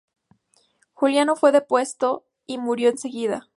Juliano fue depuesto y murió enseguida.